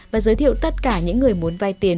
và giới thiệu tất cả những người muốn vay tiền